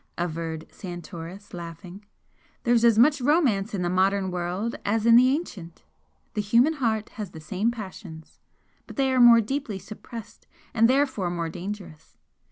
averred Santoris, laughing. "There's as much romance in the modern world as in the ancient; the human heart has the same passions, but they are more deeply suppressed and therefore more dangerous.